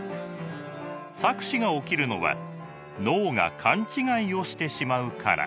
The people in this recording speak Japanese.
錯視が起きるのは脳が勘違いをしてしまうから。